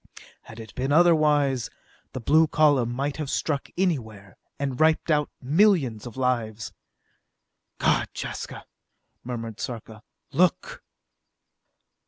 Had it been otherwise, the blue column might have struck anywhere, and wiped out millions of lives! "God, Jaska," murmured Sarka. "Look!"